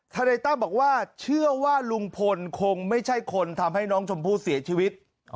นายตั้มบอกว่าเชื่อว่าลุงพลคงไม่ใช่คนทำให้น้องชมพู่เสียชีวิต